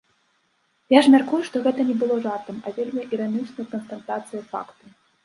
Я ж мяркую, што гэта не было жартам, а вельмі іранічнай канстатацыяй факту.